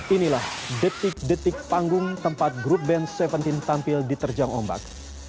inilah detik detik panggung tempat grup band tujuh belas tampil diterjang ombak